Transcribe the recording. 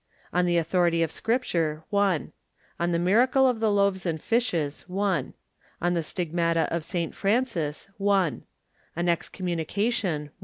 On the Authority of Scripture On the Miracle of the Loaves and Fishes . On the Stigmata of St Francis .... On Excommunication